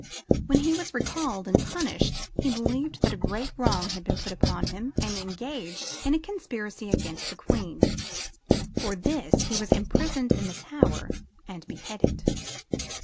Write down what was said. When he was recalled and punished he believed that a great wrong had been put upon him and engaged in a conspiracy against the Queen. For this he was imprisoned in the Tower and beheaded.